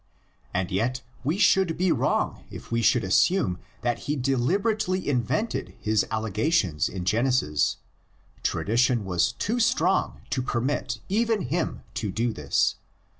And yet we should be wrong if we should assume that he deliberately invented his allegations in Genesis; tradition was too strong to permit even him to do this.